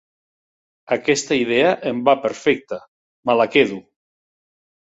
Aquesta idea em va perfecte; me la quedo.